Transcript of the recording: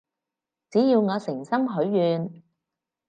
只要我誠心許願